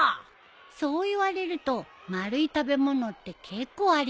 そう言われると丸い食べ物って結構ありそうだね。